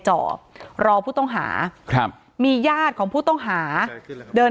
อ๋อเจ้าสีสุข่าวของสิ้นพอได้ด้วย